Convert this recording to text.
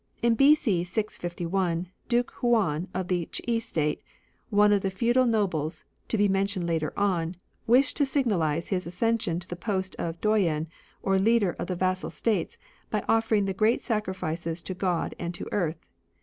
In B.C. 651, Duke Huan of the Ch'i State, one of the feudal nobles to be mentioned later on, wished to signalise his accession to the post of doyen or leader of the vassal States by oflPering the great sacrifices to God and to Earth.